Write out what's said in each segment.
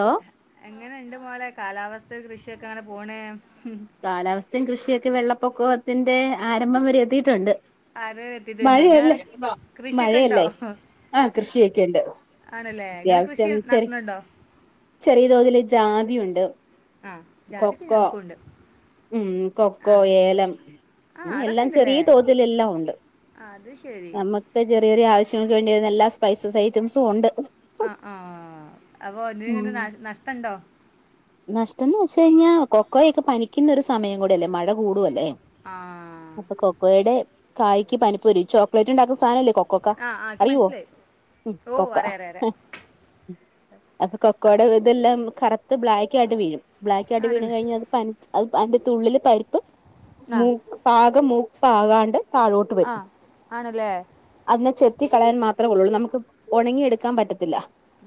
Hello എങ്ങനെ എൻ്റെ മോളെ കാലാവസ്‌ഥ കൃഷിയൊക്കെ അങ്ങനെ പോണ് കാലാവസ്ഥേം കൃഷിയൊ ക്കെ വെള്ളപ്പൊക്കത്തിൻ്റെ ആരംഭം വരെ എത്തിയിട്ടുണ്ട് ആരും എത്തിയിട്ടുണ്ട് മഴയല്ലേ, നിങ്ങളവിടെ കൃഷിയൊക്കെ ഉണ്ടോ മഴയല്ലേ ആ കൃഷിയൊക്കെയുണ്ട് ആണല്ലേ നിങ്ങൾ കൃഷി അത്യാവശ്യം ചെറി നടത്തുന്നുണ്ടോ ചെറിയ തോതില് ജാതിയുണ്ട് ആ ജാതിക്ക കൊക്കോ ഞങ്ങക്കൂണ്ട് ഉം കൊക്കോ, ഏലം ആ അതൊക്കെ എല്ലാം ഉണ്ടല്ലേ ചെറിയ തോതിലെല്ലാം ഉണ്ട്. അത് ശരി നമുക്ക് ചെറിയ ഒരു ആവശ്യം നമുക്ക് വേണ്ടിവരുന്ന എല്ലാ സ്‌പൈസസ് ഐറ്റംസും ഉണ്ട്. ആ ആ അപ്പോ ഇതിനിങ്ങനെ നാ നഷ്‌ടം ഇണ്ടോ? നഷ്ടന്നു വച്ചു കഴിഞ്ഞ കൊക്കോയൊക്കെ പനിക്കുന്ന ഒരു സമയം കൂടെയല്ലേ? മഴ കൂടുവല്ലേ ആ അപ്പൊ കൊക്കോയുടെ കായ്ക്ക് പനിപ്പ് വരും ഈ ചോ ക്ലേറ്റ് ഉണ്ടാക്കണ സാനല്ലേ കൊ കൊക്ക ആ ആ എനിക്ക് അറിയോ മനസ്സിലായി ഓ കൊക്ക അറിയാം അറിയാം അറിയാം അപ്പൊ കൊക്കയുടെ ഇതെല്ലാം കറു ത് ബ്ലാക്ക് ആയിട്ട് വീഴും ബ്ലാക്കായിട്ട് വീണു ആണല്ലേ കഴിഞ്ഞ അത് പനി അത് അതിന്റെള്ളിലെ പരിപ്പ് ആ മൂക് പാ [unintelligible] മൂപ്പാകാണ്ട് താഴോട്ട് ആ വരും ആണല്ലേ അതിനെ ചെത്തികളയാൻ മാ [unintelligible] ത്രേള്ളുള്ളു നമുക്ക് ഒണങ്ങിയെടുക്കാൻ പറ്റത്തില്ല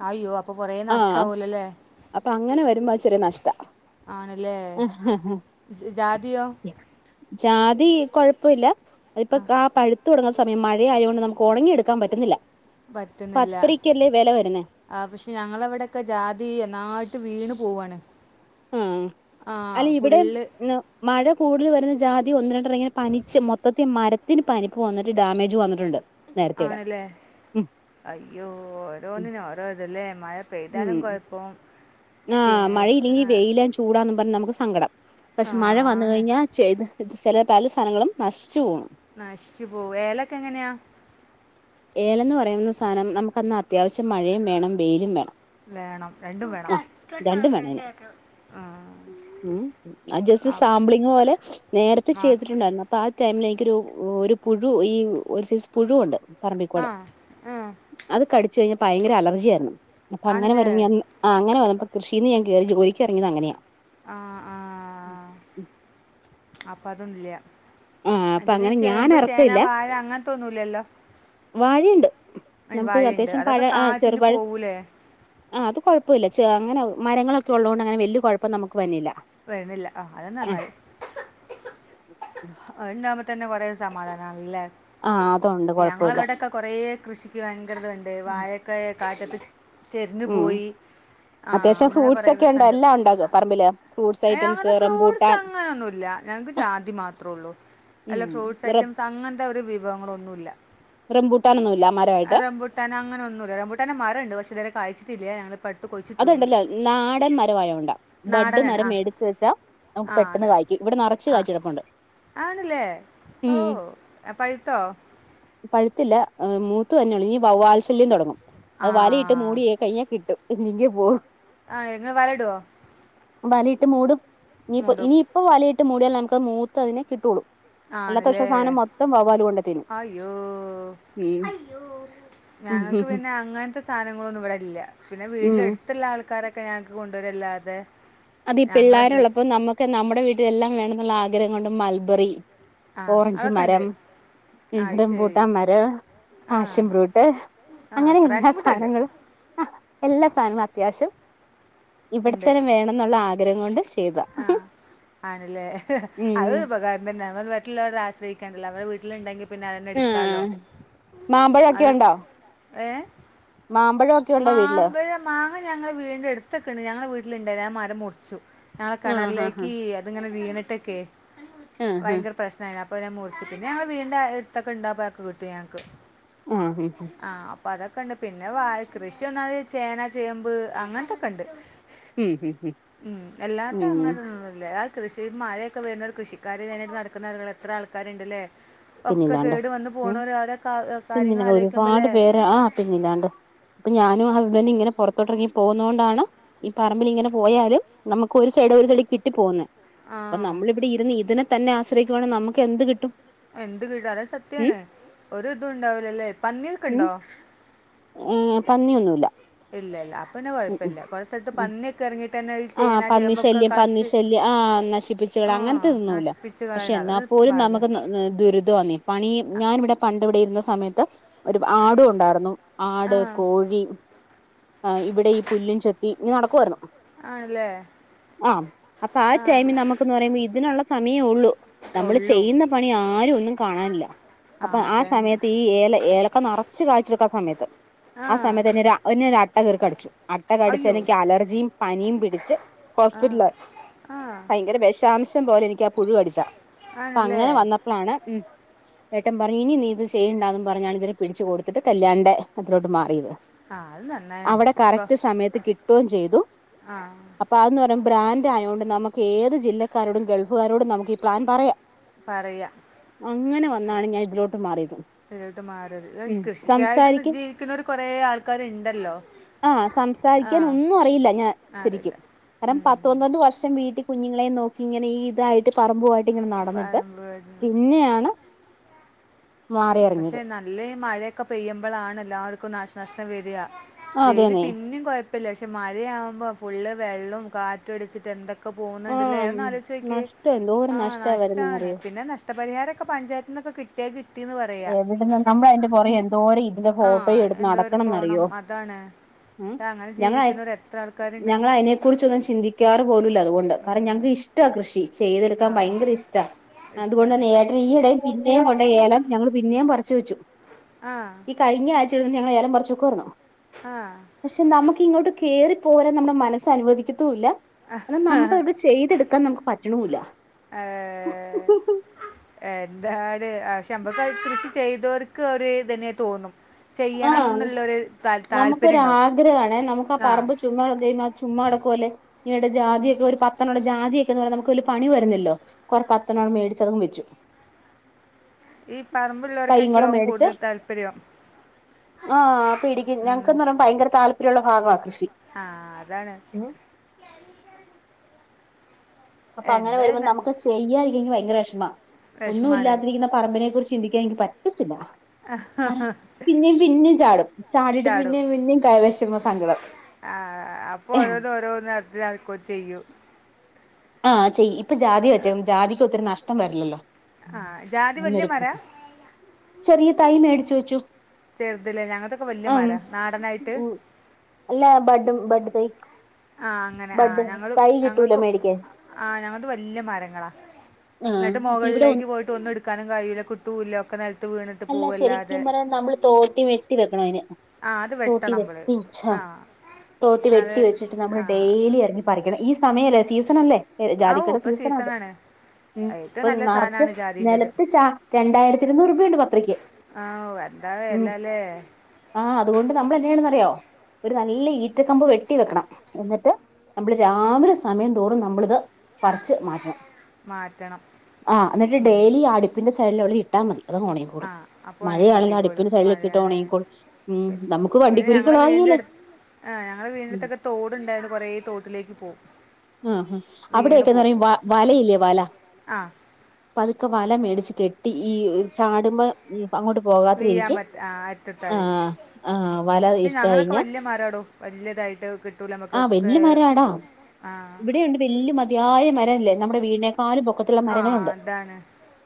അയ്യോ അപ്പൊ കുറെ നഷ്ടമാവൂല്ലല്ലോ ല്ലേ? പ്പോ അങ്ങനെ വരുമ്പോ ച്ചിരി നഷ്ടാ ആണല്ലേ ങ്ങ്ഹാ ഹാ ജാതിയോ ജാതി കുഴപ്പം ഇല്ല. അതിപ്പോ കാ പഴു തുടങ്ങുന്ന സമയം മഴയായോണ്ട് നമുക്ക് ഒണങ്ങിഎടുക്കാൻ പറ്റുന്നില്ല പറ്റുന്നില്ല പത്തരക്കല്ലേ വില വരുന്നേ ആ പക്ഷേ ഞങ്ങളവിടൊക്കെ ജാതി ന്നായിട്ട് വീണ്- പോവാണ് ആ ആ അല്ല ഇവിടേം ഫുള്ള് മഴ കൂ [unintelligible] വരുന്ന ജാതി ഒന്ന് ര [unintelligible] ഇങ്ങനെ പനിച്ചു മൊത്തത്തി മര ത്തിന് [unintelligible] പനിപ്പു വന്നിട്ട് ഡാമേജ് വന്നിട്ടുണ്ട് നേരത്തെ ഇവിടെ ആണല്ലേ ഉം അയ്യോ ഓരോന്നിനും ഓരോതല്ലേ മഴപെയ്താലും കുഴപ്പം ങാ പി മഴയില്ലെങ്കി ആ വെയിലാ ചൂടാ എന്നും പറഞ്ഞ് നമുക്ക് സങ്കടം ആ, പക്ഷേ മഴ വന്നു ന- കഴിഞ്ഞാൽ ചെയ്ത ചില പല സാധനങ്ങളും നശിച്ചുപോകും നശിച്ചുപോവും ഏലക്ക എങ്ങനെയാ ഏലം ന്നു പറയുന്ന സാധനം നമുക്കൊന്നാ അത്യാവശ്യം മഴയും വേണം വെയിലും വേണം വേണം രണ്ടും വേണം ആഹ് രണ്ടും വേണം അതിന് ആ. ഉം അത് ജസ്റ്റ് ആ സാമ്പിളിംഗ് പൊലെ നേരത്തെ ചെയ്തിട്ടുണ്ടായിരുന്നു അപ്പോ ആ ടൈമില ഒരു ഒരു പുഴു ഈ ഒരു സൈസ് പുഴു ഒണ്ട് ആ പറമ്പിക്കൂടെ ആ അത് കടിച്ചു കഴിഞ്ഞാ ഭയങ്കര അലർജി ആയിരുന്നു അപ്പ അങ്ങനെ ആണല്ലേ വരു [unintelligible] ആ അങ്ങനെ വന്നപ്പോൾ കൃഷിന്ന് ഞാൻ കേറി ജോലിക്ക് ഇറങ്ങിയത് അങ്ങനെയാ [inaudible] ആ അപ്പോ അതൊന്നുല്ലൃ ആ അപ്പൊ അതിന് അങ്ങനെ ഞാൻ ചേമ്പ് ചേനാ വാഴ അങ്ങനെത്തോന്നുന്നില്ലല്ലോ വാഴയിണ്ട് നമ്മുക്ക് വാഴയുണ്ട് അത്യാവശ്യം പഴ അതൊക്കെ കാറ്റിന് ചെറുപഴം പോവൂലേ അതു കൊഴപ്പയില്ല ചെ അങ്ങനെ മരങ്ങളൊക്കെ ഒള്ളക്കൊണ്ട് അങ്ങനെ വല്ല്യ കൊഴപ്പം നമ്മുക്ക് വന്നില്ല വരുന്നില്ല ആ അത് നന്നായി ഉം അത് ഇണ്ടവത് - തന്നെ കൊറെ സമാധാനായില്ലേ ആ അതുണ്ട് കുഴപ്പമില്ല ഞങ്ങളവടൊക്കെ കൊറെ കൃഷിക്ക് വയങ്കര ഇത് വേണ്ടേ ഉം വഴക്കയോ കാറ്റത്ത് ഉം ചെരിഞ്ഞുപോയി ആ അത്യാവശ്യം അങ്ങനെ ഫ്രൂട്ട്സ് കൊറെ ഒക്കെ ഉണ്ട് പ്രശ്നണ്ട് എല്ലാം ഉണ്ടാകും പറമ്പില് ഫ്രൂട്ട്സ് ഐറ്റംസ് അയിനങ്ങനെ ഫ്രൂട്സ് റംബൂട്ടാൻ അങ്ങനൊന്നുല്ല ഞങ്ങക്ക് ജാതി മാത്രം ഉള്ളൂ അല്ല ഉം ഫ്രൂട്സ് റം ഐറ്റംസ് അങ്ങ പിന്നവരെ വിവങ്ങളൊന്നുല്ല റംബൂട്ടാനൊന്നുമില്ല മരമായിട്ട് റബൂട്ടാൻ അങ്ങനൊന്നൂല്ല റംബൂട്ടന്റെ മരണ്ട് പഷേ ഇതുവരെ കയ്ച്ചി ത്തിലെയാണ് ഞങ്ങള് ഇ അതുണ്ടല്ലോ നാടൻ മരാമായൊണ്ട ബഡ് നാടനാണ് മരം ആ മേടിച്ചുവെച്ചാ നമുക്ക് ആ പെട്ടെന്ന് കയ്‌ക്കും ഇവിടെ നറച്ചു കായ്ച്ചുകിടപ്പുണ്ട് ആണ്ല്ലെ ഓ പഴുത്തോ പഴുത്തില്ല മൂത്തുവന്നെള്ളൂ ഇനി വവ്വാൽ ശല്യം തൊടങ്ങും ആ അത് വലയിട്ട് മൂടിയെ കഴിഞ്ഞാൽ കിട്ടും ഇല്ലെങ്കിൽ പോ ആ ഇങ്ങള് വലയിടോ വലയിട്ട് മൂടും ഇനിപ്പോ ഇനിപ്പോ വലയി യിട്ട് മൂടിയാലേ നമുക്ക് മൂത്ത് അതിനെ കിട്ടൊള്ളൂ ആണ്ല്ലെ കൊണ്ട് തിന്നും അയ്യോ ഉം ഉം ഞങ്ങക്ക് ഉം പിന്നെ അങ്ങനത്തെ സാധനങ്ങളൊന്നും ഇവിടെല്ലാ പിന്നെ ഉം വീടിന്റെ ഉം. അടുത്തുള്ള ആൾക്കാരൊക്കെ ഞങ്ങക്ക് കൊ ണ്ടരല്ലാതെ അതി പിള്ളേരോള്ളപ്പോ നമ്മുക്ക് നമ്മടെ വീട്ടില് എല്ലാം വേണന്നുള്ള ആ ഗ്രഹം കൊണ്ട് മൽബെറി ആ ഓറഞ്ച് അതൊക്കെ ഉണ്ട് മരം ആ അത് ശരി റംബൂട്ടാൻ മരം ആ പാഷൻ ബ്രൂട്ട് ആ അങ്ങനെ എല്ലാ പ്രാഷൻ മുട്ടുണ്ട് സാധനങ്ങളും എല്ലാ സാധനങ്ങളും അത്യാവശ്യം ഉണ്ട് ഇവിടെത്തന്നെ വേണം ആ ആണ്ലേ അത് ഉം ഉപകാരം തന്നെയാ മ്മള് മറ്റുള്ളോരെ ആശ്രയിക്കണ്ടല്ലോ മ്മളെ വീ ട്ടിലെണ്ടങ്കി പി പിന്നെ അതീന്നെടുക്കലോ ആഹ് മാമ്പഴൊക്കെ ഉണ്ടോ ഏഹ് മാമ്പഴൊക്കെ ഉണ്ടോ വീട്ടില് മാമ്പഴം മാങ്ങ ഞങ്ങൾടെ വീടിൻ്റെ അടുത്ത്ക്കെണ്ട് ഞങ്ങടെ വീട്ടിലുണ്ടായിരുന്നു ആ മ മുറിച്ചു ആഹ് കിണറിലേക്ക് അതിങ്ങനെ വീണി ട്ടെക്കേ ആഹ് ആഹ് ഹാ ഭയങ്കര പ്രശ്നായിരുന്നു അ അപ്പൊ അതങ്ങ് മുറിച്ചു പിന്നെ ഞങ്ങളുടെ വീടിൻ്റെ അടുത്തൊക്കെ ഉണ്ട് അപ്പൊ അതൊക്കെ കിട്ടും ഞങ്ങൾക്ക് ഉം അപ്പൊ അതൊക്കെയുണ്ട് പിന്നെ വ കൃഷി ഒന്നാമത് ചേന ചേമ്പ് അങ്ങനത്തെ ഒക്കെണ്ട് ഉം ഉം ഉം അല്ലാത്തെ ഉം അങ്ങനൊന്നുല്ല അ കൃഷി മഴയൊക്കെ വരുന്നോണ്ട് കൃഷി കാര്യം കഴിഞ്ഞിട്ട് നടക്കുന്നയാളുകൾ എത്ര ആൾക്കാരുണ്ടല്ലേ ഒക്കെ പിന്നില്ലാണ്ട് കേട് വന്ന് ഉം പോണവര് അവരെ കാ- കാര്യങ്ങൾ പിന്നില്ലേ ഒരുപാട് ആലോചിക്കുമ്പല്ലേ പേർ പിന്നില്ലാണ്ട് ഇപ്പം ഞാനും ഹസ്ബൻഡും ഇങ്ങനെ പുറത്തോട്ട് ഇറങ്ങിപ്പോകുന്ന കൊണ്ടാണ് ഈ പറമ്പിൽ ഇങ്ങനെ പോയാല് നമുക്ക് ഒരു സൈഡ് ഒരു സൈഡ് ഇങ്ങനെ കിട്ടിപ്പോകുന്നേ ആ അപ്പം നമ്മളിവിടെ ഇരുന്ന് തന്നെ ആശ്രയിക്കുവാണേൽ നമുക്ക് എന്ത് കിട്ടും എന്ത് കിട്ടും അത് ഉം സത്യമാണ് ഒരു ഇതും ഉണ്ടാവില്ലല്ലേ പന്നിയൊക്കെ ഉണ്ടോ പന്നിയൊന്നുമില്ല ഇല്ലയില്ല അപ്പോൾപ്പിന്നെ കുഴപ്പം ഇല്ല കുറെ സ്ഥലത്ത് പന്നിയൊക്കെ ഇറങ്ങീട്ട് ആഹ് പന്നി ശല്യം പന്നി ശല്യം ആഹ് നശിപ്പിച്ച് കളയുക ആ അങ്ങനത്തെ ഒന്നുമില്ല നശിപ്പിച്ച് പക്ഷേ കളയുന്ന എന്നാൽ അതൊരു പോലും ഭാഗ്യം നമുക്ക് ദുരിതമാണെന്നെ പണിയും ഞാൻ ഇവിടെ പണ്ട് ഇവിടെ ഇരുന്ന സമയത്ത് ഒരു ആടും ഉണ്ടായിരുന്നു ആ ആട് കോഴി ഇവിടെ ഈ പുല്ലും ചെത്തി ഇങ്ങനെ നടക്കുവായിരുന്നു ആണല്ലേ ആം അപ്പം ആഹ് ആ ടൈമിൽ നമുക്കെന്ന്പറയുമ്പം ഇതിനുള്ള സമയമേയുള്ളൂ നമ്മൾ ഉള്ളൂ ചെയ്യുന്ന പണി ആരുമൊന്നും കാണാനില്ല ആ അപ്പം ആഹ് അതന്നെ സമയത്ത് ഈ ഏലം ഏലക്ക നിറച്ച് നിറച്ച് കായ്ച്ചുകിടക്കണ സമയത്ത് ആ ആഹ് സമയത്ത് എന്നെ ഒരു എന്നെ ഒരു അട്ട അട്ട കടിച്ചു അട്ട കടിച്ച് അയ്യോ എനിക്ക് അലർജിയും പനിയും പിടിച്ച് ആ ഹോസ്പിറ്റലിൽ ആയി ആ ഭയങ്കര വിഷ അംശം പോലെ എനിക്ക് പുഴു കടിച്ചതാ അപ്പം ആണല്ലേ അങ്ങനെ വന്നപ്പോഴാണ് ഉം ഏട്ടൻ പറഞ്ഞു ഇനി നീ ഇത് ചെയ്യേണ്ടന്ന് പറഞ്ഞാണ് ഇവരെ പിടിച്ച് കൊടുത്തിട്ടാണ് കല്യാണിന്റെ അതിലോട്ട് മാറിയത് ആഹ് അവ്ടെ കറക്റ്റ് സമയത്ത് കിട്ട്വോം ചെയ്തു ആ അപ്പം അത് എന്നുപറയു ബ്രാന്റ് ആയകൊണ്ട് നമുക്ക് ഏത് ജില്ലക്കാരോടും ഗൾഫ് കാരോടും നമുക്ക് ഈ പ്ലാൻ പറയാം പറയാം ന്നാലും ഞാൻ ഇതിലോട്ട് മാറിയത് എങ്ങോട്ടുംമാറരുത് ഉം ക് ഷ് ഷ് ക്യത്യയിട്ട് ഇന്ന് ജീവിക്കുവര് കൊറെ ആൾക്കാര് ആഹ് സംസാരിക്കാൻ ഒന്നും അറിയില്ല ഞാൻ അറിയില്ല ശെരിക്കും കാരണം ഉം. പത്ത് പന്ത്രണ്ട് വർഷം വീട്ടി കുഞ്ഞുങ്ങളേം നോക്കി ഇങ്ങനെ ഈ ഇതായിട്ട് പറമ്പു ആയി ട്ട് ഇങ്ങനെ നടന്നിട്ട് പറമ്പ് പിന്നെയാണ് പഷേ മാറിയറിഞ്ഞത് നല്ലേ മഴ ക്കെ പെയ്യുംമ്പളാണ് എല്ലാർക്കും നാശനഷ്ട്ടം വരിക വെയില് അതെന്നെ പിന്നെം കോയ പ്പം ലേശം മഴയാമ്പം ഫുള്ള് വെള്ളോം കാറ്റും അടിച്ചിട്ട് എ ക്കെ പോകുന്നുണ്ട്ലെ ആഹ് ഒന്ന് ആലോചിച്ചു നോക്കിയേ നഷ്ടം എന്തോരം ആ നഷ്ടാ നഷ്ട്ടാണ് വരുന്നേന്നറിയോ പിന്നെ നഷ്ട്ട പരിഹാരം ഒക്കെ പഞ്ചായത്തിനോക്കെ കി [unintelligible] എവിടെന്ന് നമ്മളയിന്റെ പൊറകെ എന്തോരം ഇതിന്റെ ആ ഫോട്ടോ എടുത്ത് എന്തോ ഒരു നടക്കണം പോണം എന്നറിയോ അതാണ് പക്ഷെ അങ്ങനെ ഞങ്ങള് ജീവിക്കുന്നവർ എത്ര ആൾക്കാരുണ്ട് ഞങ്ങള് അതിനെ കുറച്ച് ഒന്നും ചിന്തിക്കാറ് പോലുംഇല്ല അതുകൊ കറി ഇല്ല. ഞങ്ങക്ക്‌ ഇഷ്ട്ടം ആ ബഷി ആ ചെയ്തെടുക്കാൻ ഭയങ്കര ഇഷ്ട്ടാ ഇഷ്ടമാണ് അത്കൊണ്ട്തന്നെ ഏട്ടൻ ഈയെടേം പിന്നേം കൊണ്ടോയി ഏലം ഇന്ന് ഞാൻ പറിച്ചുവെച്ചു. ഈ ആ കഴിഞ്ഞ ആഴ്‌ [unintelligible] ഞങ്ങൾ ഏലം പറിച്ചു വെക്കുവാരുന്നു പക്ഷെ നമുക്ക് ഇങ്ങോട്ട് കേറി പ്പോരാൻ നമ്മടെ മനസ് അനുവദിക്കത്തു ഇല്ല എന്നാ നമക്ക് ആ അതൊട്ട് ചെയ്ത് എടുക്കാൻ നമക്ക് പറ്റണു ഇല്ല. ഏഹ് എന്താണ് പക്ഷെ നമ്മക്ക് അത് ഇത്തിരീച്ചേ ചെയ്തോർക്ക് ഒര് ഇതന്നെ തോന്നും ചെയ്യണം ആഹ് എന്നുള്ളൊരു താൽ താല്പര്യം നമക്കൊര് ഉണ്ടാവും ആഗ്രഹം ആണേ നമ്മക്ക് ആ പറമ്പ് ചുമ്മ കെടന്ന് ദൈവമെ അത് ചുമ്മാ കെടക്കുവല്ലേ ഈയിടെ ജാതി ഒക്കെ ഒര് പത്തെണ്ണം ഒണ്ടേ ജാതി ഒക്കെന്ന് പറയുന്നെ നമക്ക് വല്യ പണി വരുന്നില്ലല്ലോ കൊറെ പത്തെണ്ണം അങ്ങ് മേടിച്ചതങ്ങ് വെച്ചു. ഈ പറമ്പുള്ളോർക്കൊക്കെയാവും കൂടുതൽ താല്പര്യം. ആഹ് പിടിക്കും ഉം. ഞങ്ങക്കെന്ന് പറയുമ്പോ ഭയങ്കര താൽ പര്യ ഒള്ള ഭാഗാ കൃഷ് ആ അതാണ് അപ്പൊ അങ്ങനെ എന്താ വരുമ്പോ നമുക്ക് ചെയ്യാൻ ഇല്ലങ്കിൽ ഭയങ്കര ചുമ്മാ വിഷമാണ് ഒന്നുമില്ലാതിരിക്കുന്ന പറമ്പിനെ കുറിച്ച് ചിന്തി എനിക്ക് പറ്റ റ്റത്തില്ല പിന്നേം പിന്നേം റ്റാണും ചാടും സങ്കടം അം അപ്പോ ഓരോന്ന് ഓരോന്നെടുത്ത് ചെയ്യും ആ ഇപ്പൊ ജാതി വെച്ചേക്കുന്നു ജാതിക്ക് ഒത്തിരി നഷ്ടം വരില്ലല്ലോ ആ ജാതി വലിയ മര ചെറിയ തൈമേടി ചോയ്ചു ചെറുത് ലെ ഞങ്ങളതൊക്കെ വലിയമര നാടനായിട്ട് [unintelligible] ആ അങ്ങനെ ആ ബെഡ് ഞങ്ങൾ തൈ കിട്ടൂലെ ഞങ്ങൾക്ക് മേടിക്കാൻ ആ ഞങ്ങളത് വലിയ മരങ്ങള ആഹ് നട്ട് അപ്പൊ ഇവിടെ ഒ മുകളിലേക്ക് പോയിട്ട് ഒന്ന് ഇട്ക്കാനും കയ്യുലകിട്ടുല്ല നെല അല്ല ശരിക്കും പറ ഞമ്മൾ തോട്ടി വെട്ടി വെക്കണം അയിന് ആ അത് തൊട്ടി വെട്ടണം നമ്മൾ ആ തൊട്ടി എന്നാൽ കെട്ടി ആ ല് ഈ സമയല്ലേ സീസൺ അല്ലെ ആ ഓ ജാതിക്കയുടെ ഇപ്പോൾ സീസൺ ആണിത്. സീസണാണ് ഉം ഏറ്റവും നല്ല അപ്പൊനറച്ച് സാധനമാണ് ജാതിൻ്റേത് നിലത്ത് രണ്ടായിരത്തി ഇരുന്നൂറ് രൂപ ഉണ്ട് ആ എന്താ ഉം വില അല്ലേ ആ അത് കൊണ്ട് നമ്മൾ എന്ത് ചെയ്യണമെന്ന് അറിയോ? ഒരു നല്ല ഈറ്റ കമ്പ് വെട്ടി വെക്കണം. എന്നിട്ട് നമ്മൾ രാവിലെ സമയം തോറും നമ്മൾ ഇത് പറിച്ച് മാറ്റണം. മാറ്റണം ആ എന്നിട്ട് ഉം. ഡയലി അടുപ്പിൻ്റെ സൈഡ് ലെ ട്ട മതി അത് ഉണങ്ങി ക്കൊ അഅപ്പൊ ഒണങ്ങി കിട്ടികൊളും മഴ അണെ ഒണങ്ങിക്കോളും ഉം നമുക്ക് പിന്നെ ഞങ്ങളുടെ വണ്ടിക്കുരുക്കളാകേലേ വീടിനടുത്ത് ഞങ്ങളുടെ വിടിനടുത്ത് തോട് ഉണ്ടയൊൻണ്ട് കോറെ ത്തോട്ടിലേക്ക് പ്പൊവും അവിടെക്കെന്ന് പറയുമ്പോ വലയില്ലേ വല ആ മേടിച്ച് കെട്ടി ഈ ചാടുമ്പോ അങ്ങോട്ട് പോകാത്ത വിയം രീതിക്ക് പറ്റ അരിത്ത് താദിരി ആഹ് ആഹ് വല പക്ഷേ ഇട്ട് ഞങ്ങൾക്കെ കഴിഞ്ഞാ വലിയമരടൊ? വലിയധയിട്ട് കിട്ടുലനമ്മക്ക് ആഹ് കേ വല്യ മരാടാ ആ ഇവിടെയുണ്ട് വലിയമതി യായ ഇല്ല ഇല്ല [unintelligible] പൊക്കത്തിലുള്ള ആ മരങ്ങളുണ്ട് അതാണ്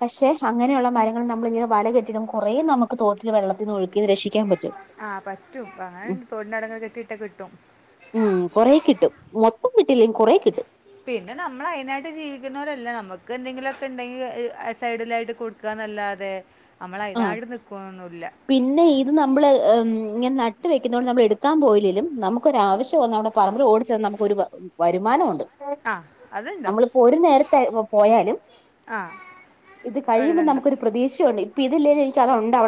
പക്ഷേ അങ്ങനെയുള്ള മരങ്ങള് നമ്മൾ ഇങ്ങനെ വല കെട്ടിയിടും കൊറേ നമ്മുക്ക് തോട്ടിലെ വെള്ളത്തീന്ന് ഒഴിക്കീന്ന് രക്ഷി ആഹ് പറ്റും പായ തോട്ടിനവടൊക്കെ കെട്ടിയിട്ടാ കിട്ടും കിട്ടില്ലെ കൊറേ കിട്ടും പിന്നെ നമ്മള് അയിനായിട്ട് ജീവിക്കുന്നോരല്ല നമുക്ക് എന്തെങ്കിലൊക്കെ ഇണ്ടങ്കി അ സൈഡിലാട്ട് കൊണ്ട് കൊടുക്ക ആഹ് പിന്നെ ഇത് നമ്മള് ഏ ഉം ഇങ്ങനെ ന ട്ട് വെയ്ക്കുന്നോണ്ട് നമ്മള് എടുക്കാൻ പോയില്ലേലും നമുക്കൊരാവശ്യം വന്നാ നമ്മടെ പറമ്പില് ഓടി ചെന്ന് നമുക്ക് ഒരു വ വരുമാനൊണ്ട് ആ നമ്മൾ അതുണ്ടാവും ഇപ്പൊ ഒരു നേരത്തെ ഇപ്പ പോയാലും ആ ഇത് കഴിയുമ്പോ നമുക്ക് ഒരിതുണ്ടാവും ഒരു പ്രേതീക്ഷ ഉണ്ട് ഇപ്പ ഇതില്ലേലും എനിക്ക് അത് ഒണ്ട് അവ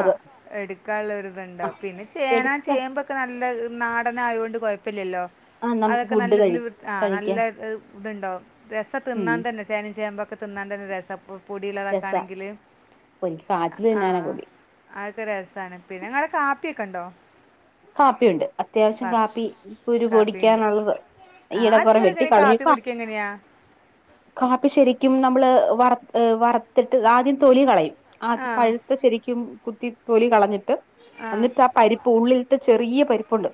ആഹ് എടുക്കാ ഒള്ള ഒരിത് ഉണ്ടവും. ആഹ് പിന്നെ ചേന എടുക്കാം ചേമ്പൊക്കെ നല്ല നാടനായോണ്ട് കൊഴപ്പ ഇല്ലല്ലോ ആഹ് നമുക്ക് അതൊക്കെ നല്ല ഫുഡ് കഴി ഇതില് വ് ആഹ് നല്ല കഴിക്കാൻ വ് ഇതുണ്ടാവും രസ ഉം തിന്നാൻ തന്നെ ചേന ചേമ്പൊ തിന്നാൻ തന്നെ രസം പ് രസാ പൊടിയില്ലാതാക്കാണെങ്കില് എനിക്ക് കാച്ചില് അ തിന്നാനാ ആഹ് കൊതി അതൊക്കെ രസാണ് പിന്നെ നിങ്ങള് കാപ്പിക്കെ ഒണ്ടോ കാപ്പി ഒണ്ട് അത്യാവശ്യം കാപ്പി കുരു കാപ്പി പൊടിക്കാൻ ഉണ്ട് ഒള്ളത് ഈ ആ എടേ അത് കൊറേ നിങ്ങൾ വെട്ടി എങ്ങനെ കളിഞ്ഞു കാപ്പി പ കുടിക്കുക എങ്ങനെയാ കാപ്പി ശെരിക്കും നമ് മ്മള് വറു ഏ വറുത്തിട്ട് ആദ്യം തൊലി കളയും ആ അഹ് പഴുത്ത ശെരിക്കും കുത്തി തൊലി കളഞ്ഞ് ട്ട് എന്നിട്ട് ആ പരിപ്പ് ഉള്ളിൽ ത്ത് ചെറിയെ പരിപ്പൊണ്ട്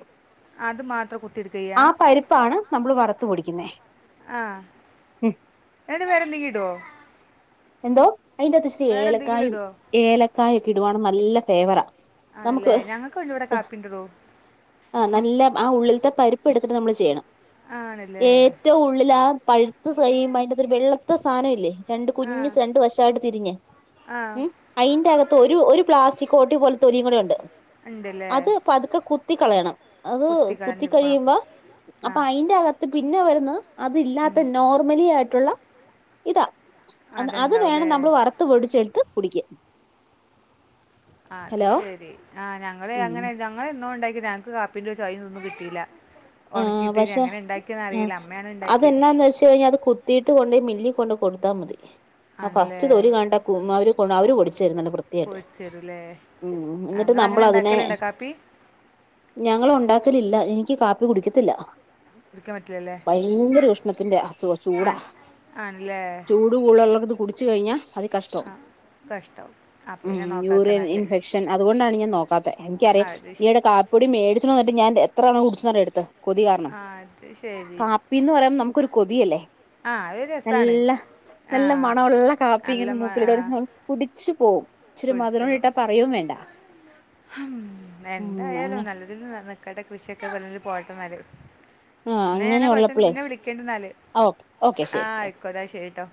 അത് മാത്രം കുത്തി എടുക്കെയ്യാ പരിപ്പാണ് നമ്മള് വറത്തു പൊടിക്കുന്നേ ആഹ് ഉം എടെ വേറെന്തെങ്കിലും ഇടോ എന്തോ അയിന്റത്ത് ഇച്ചിരി ഏലക്കായും ഇടുവോ ഏല ക്കായൊക്കെ ഇടുവാണെ നല്ല ഫ്ളേവറ നമുക്ക് ആണല്ലേ ഞങ്ങൾക്ക് ഉണ്ട് ഇവിടെ ത്ത് കാപ്പി ഉണ്ടോ ആഹ് നല്ല ആ ഉള്ളില ടെ പരിപ്പെടുത്തിട്ട് നമ്മള് ചെയ്യണം ആണല്ലേ ഏറ്റവും ഉള്ളില് ആ പഴു ത് ദിവസം കഴിയുമ്പോ അതിനാത്തൊരു വെള്ത്ത സാനം ഇല്ലേ ആ കുഞ്ഞ് സെണ്ട് വശവായിട്ട് തിരിഞ്ഞ് ആ മ് അയിന്റാത്ത് ഒരു ഒരു പ്ലാസ്റ്റിക്ക് കോട്ടി പോല തൊലിയും കൂടെയുണ്ട് ഉണ്ടല്ലേ അത് പതുക്കെ കു ത്തി കളയണം അതൂ കുത്തി കഴിയുമ്പോ ആ അപ്പ അയിന്റെ അക ത്ത് പിന്നെ വരുന്നു അത് ഇല്ലാത്ത ഉം. നോർമലി ആയി ട്ടുള്ള ഇതാ അന്ന് അത് അതുണ്ടാവും വേണം അല്ലേ നമ്മൾ വർത്ത് പൊടിച്ച് എട്ത്ത് കുടിക്കാ ആ അത് ശരി ആ ഞങ്ങൾ അങ്ങനെ ഞങ്ങൾ എന്നോ ഇണ്ടാ ക്കി ഞങ്ങക്ക് കാപ്പിന്റെ ചൊയിം ഇതൊന്നും കിട്ടിലാ ആ പക്ഷേ അ അമ്മയാണ് ഉണ്ടാക്കിയത് അതെന്നാന്ന് വെച്ച് കഴിഞ്ഞാ അത് കുത്തിയിട്ട് കൊണ്ടോയ് മില്ലി കൊണ്ട് കൊട്ത്താ മതി ആ ആണല്ലേ ഫസ്റ്റ് തൊലി കണ്ടാ [unintelligible] ഒര് കൊണ്ട് അവര് പൊടി ചരും നല്ല വൃത്തി ആയിട്ട് പൊരിച്ച് തരൂല്ലേ മ് എന്നിട്ട് നിങ്ങൾ അങ്ങനെ നമ്പള അതിനെ ഉണ്ടാക്കലുണ്ടോ കാപ്പി ഞങ്ങള് ഉണ്ടാക്കല് ഇല്ല എനിക്ക് കാ ഇത് കുടിക്കത്തില്ല കുടിക്കാൻ പറ്റില്ലല്ലേ ഭയങ്കര ഊഷ്ണത്തിന്റെ അസുഖം ചൂട ആണ് ആണല്ലേ ചൂട് കൂളള്ളോട്ത്ത് കുടി റ്റ് കഴിഞ്ഞാ അതി കഷ്ട്ടോ ആ കഷ്ടമാവും അപ്പോൾ മ് പിന്നെ നോക്കാക്ക യൂറിയൻ നല്ല ഇൻഫെക്ഷൻ അത് കൊണ്ടാണ് ഞാൻ പാത്തേ ആ എൻക്കറിയ അത് ശരി ഏഴ് കാക്കുടിം മേടിച്ചിണോ ത ന്നിട്ട് ഞാൻ തേ എത്രണ്ണം കുടിച്ചു ന്നറിയോ എ കൊതി കാരണം ആ അത് ശരി കാപ്പി ന്നു പറയാൻ നമുക്കൊരു കൊതിയല്ലേ ആ അത് രസമാണ് നല്ല ആ നല്ല മണമുള്ള കാപ്പി നല്ല ഇങ്ങനെ മൂക്കിലിടരുന്നോ കുടിച് പോകും പിടിച്ചോ ഹം ഉം അങ്ങ എന്തായാലും നല്ല രീതിൽ നടക്കട്ടെ കൃഷി ഒക്കെ വല്ലു പോട്ടെന്നാല് ആ ഇന്നാ ഞാന കുറച്ച കഴിഞ്ഞിട്ട് അങ്ങനെയുള്ളപ്പളേ പിന്നേ വിളിക്കണ്ട് ന്നാല് ഓക്കെ ഓക്കെ ആ ശരി ശരി ആയിക്കോട്ടെ അത് ശെരിട്ടോ